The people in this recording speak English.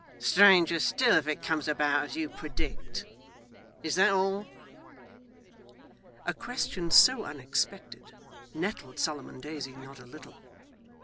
'Stranger still if it comes about as you predict. Is that all?' A question so unexpected, nettled Solomon Daisy not a little.